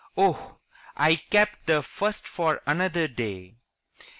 Oh, I kept the first for another day!